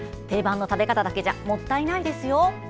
定番の食べ方だけじゃもったいないですよ。